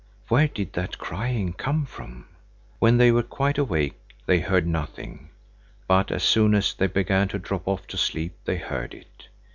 Where did that crying come from? When they were quite awake, they heard nothing, but as soon as they began to drop off to sleep they heard it.